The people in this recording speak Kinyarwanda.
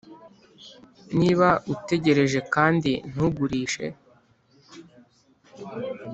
niba utegereje kandi ntugurishe,